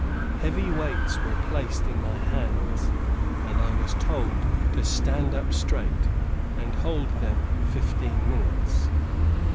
Heavy weights were placed in my hands, and I was told to stand up straight, and hold them fifteen minutes.